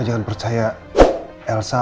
jangan percaya elsa